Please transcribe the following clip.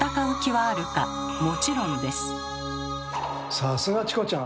さすがチコちゃん。